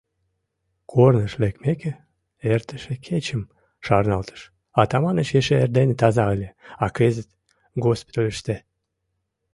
Корныш лекмеке, эртыше кечым шарналтыш: Атаманыч эше эрдене таза ыле, а кызыт... госпитальыште.